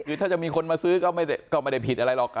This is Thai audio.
คือถ้าจะมีคนมาซื้อก็ไม่ได้ผิดอะไรหรอก